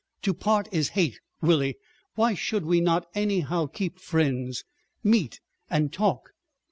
To part is hate, Willie. Why should we not anyhow keep friends? Meet and talk?"